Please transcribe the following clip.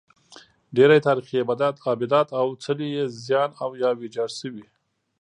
ډېری تاریخي ابدات او څلي یې زیان او یا ویجاړ شوي.